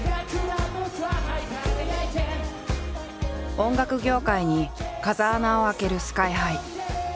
音楽業界に風穴を開けるＳＫＹ−ＨＩ。